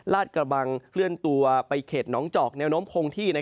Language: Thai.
กระบังเคลื่อนตัวไปเขตหนองจอกแนวโน้มคงที่